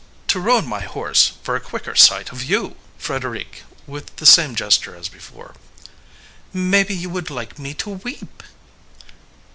"To ruin my horse for a quicker sight of you ..." FREDERIQUE (with the same gesture as before) "Maybe you would like me to weep?"